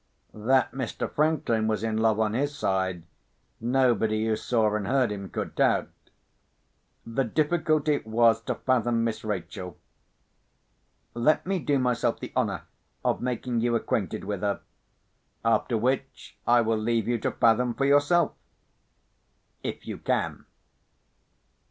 That Mr. Franklin was in love, on his side, nobody who saw and heard him could doubt. The difficulty was to fathom Miss Rachel. Let me do myself the honour of making you acquainted with her; after which, I will leave you to fathom for yourself—if you can.